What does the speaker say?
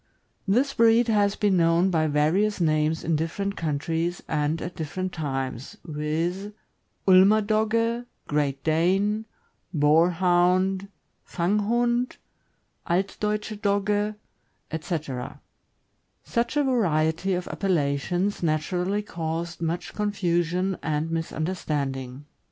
This breed has been known by various names in different countries and at different times, viz. : Ulmer Dogge, Great Dane, Boarhound, Fanghund, Altdeutsche Dogge, etc. Such a variety of appellations naturally caused much con fusion and misunderstanding.